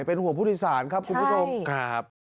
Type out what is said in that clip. เป็นหัวพุทธศาลครับคุณพุทธองค์ครับใช่